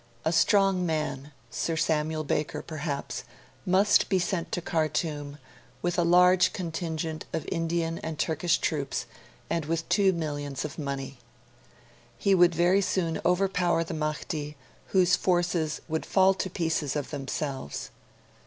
A strong man Sir Samuel Baker, perhaps must be sent to Khartoum, with a large contingent of Indian and Turkish troops and with two millions of money. He would very soon overpower the Mahdi, whose forces would 'fall to pieces of themselves'.